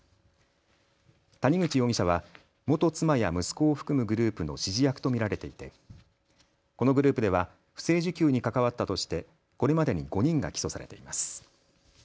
谷口容疑者は元妻や息子を含むグループの指示役と見られていてこのグループでは不正受給に関わったとしてこれまでに５人が起訴されています。